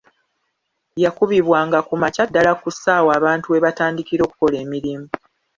Yakubibwanga ku makya ddala ku ssaawa abantu we batandikira okukola emirimu.